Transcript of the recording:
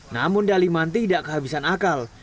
namun daliman tidak kehabisan akal